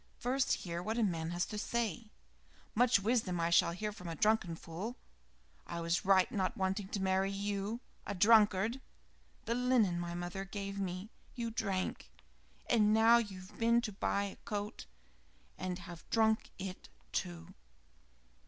First hear what a man has to say " "Much wisdom I shall hear from a drunken fool. I was right in not wanting to marry you a drunkard. The linen my mother gave me you drank; and now you've been to buy a coat and have drunk it, too!"